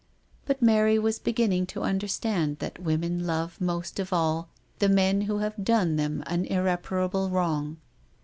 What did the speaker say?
But Mary was beginning to understand that women love most of all the men who have done them an irreparable wrong.